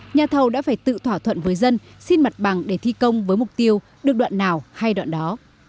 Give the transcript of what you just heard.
nhà thầu đã phải tự thỏa thuận với dân xin mặt bằng để thi công với mục tiêu được đoạn nào hay đoạn đó